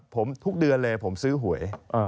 ผมทุกเดือนเลยผมซื้อหวย